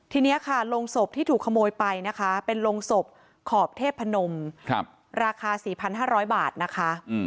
ทีนี้ค่ะโรงศพที่ถูกขโมยไปนะคะเป็นโรงศพขอบเทพนมราคา๔๕๐๐บาทนะคะ